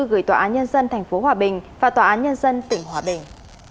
gửi tòa án nhân dân tp hòa bình và tòa án nhân dân tỉnh hòa bình